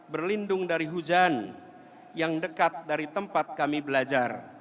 berlindung dari hujan yang dekat dari tempat kami belajar